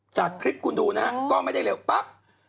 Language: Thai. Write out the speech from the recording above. จากคลิปคุณดูนะฮะก็ไม่ได้เร็วปั๊บ